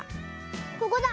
ここだ。